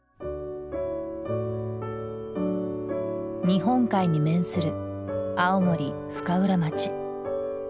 日本海に面する青森深浦町。